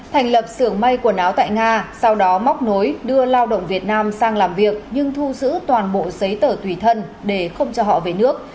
thành lập xưởng may quần áo tại nga sau đó móc nối đưa lao động việt nam sang làm việc nhưng thu giữ toàn bộ giấy tờ tùy thân để không cho họ về nước